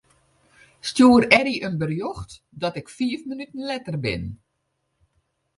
Stjoer Eddy in berjocht dat ik fiif minuten letter bin.